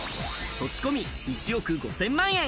土地込み１億５０００万円。